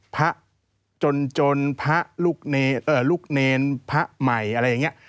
พระจนพระลูกเนรพระใหม่อะไรอย่างนี้